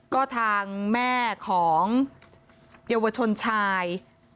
ก็ทางแม่ของเยาวชนชาย